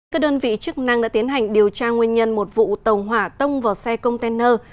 các đơn vị chức năng đã tiến hành điều tra nguyên nhân một vụ tàu hỏa tông vào xe container